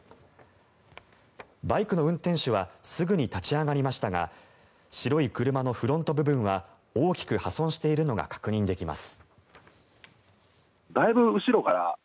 バイクの運転手はすぐ立ち上がりましたが白い車のフロント部分は大きく破損しているのが確認できます。